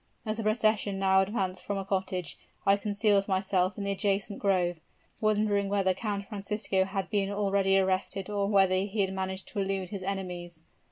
As the procession now advanced from a cottage, I concealed myself in the adjacent grove, wondering whether Count Francisco had been already arrested or whether he had managed to elude his enemies.